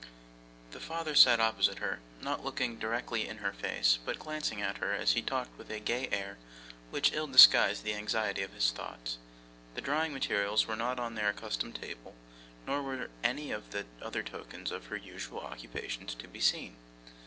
The father sat opposite to her; not looking directly in her face, but glancing at her, as he talked with a gay air which ill disguised the anxiety of his thoughts. The drawing materials were not on their accustomed table, nor were any of the other tokens of her usual occupations to be seen.